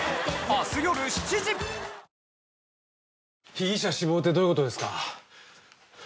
被疑者死亡ってどういうことですか？